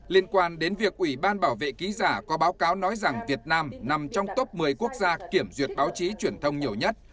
liên quan đến việc ủy ban bảo vệ ký giả có báo cáo nói rằng việt nam nằm trong top một mươi quốc gia kiểm duyệt báo chí truyền thông nhiều nhất